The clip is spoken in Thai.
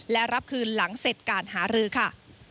และรับคืนหลังเสร็จการหารือค่ะ